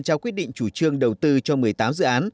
trao quyết định chủ trương đầu tư cho một mươi tám dự án